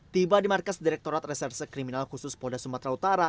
tiba di markas direkturat reserse kriminal khusus polda sumatera utara